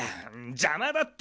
じゃまだって！